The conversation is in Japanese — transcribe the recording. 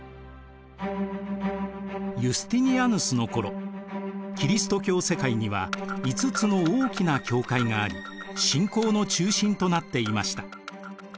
ユスティニアヌスの頃キリスト教世界には５つの大きな教会があり信仰の中心となっていました。